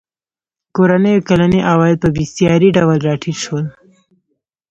کورنیو کلني عواید په بېساري ډول راټیټ شول.